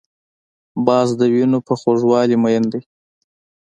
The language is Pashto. باز د وینو په خوږوالي مین دی